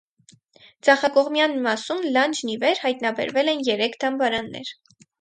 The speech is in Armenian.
Ձախակողմյան մասում, լանջն ի վեր. հայտնաբերվել են երեք դամբարաններ։